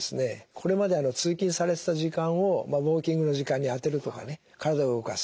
これまで通勤されてた時間をウォーキングの時間に充てるとかね体を動かす。